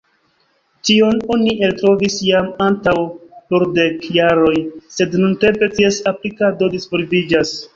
Tion oni eltrovis jam antaŭ plurdek jaroj, sed nuntempe ties aplikado disvolviĝas.